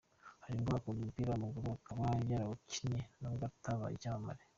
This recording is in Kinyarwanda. Haji ngo akunda umupira w’amaguru, akaba yarawukinnye n’ubwo atabaye icyamamare.